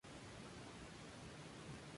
Fue lanzado en Hong Kong.